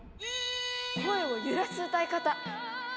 声を揺らす歌い方。